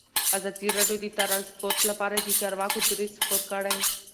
ازادي راډیو د ترانسپورټ لپاره د چارواکو دریځ خپور کړی.